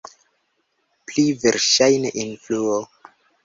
Pli verŝajne influo.